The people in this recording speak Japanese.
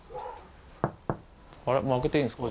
もう開けていいんですか？